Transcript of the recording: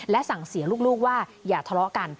สั่งเสียลูกว่าอย่าทะเลาะกัน